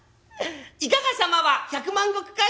いかがさまは百万石かい？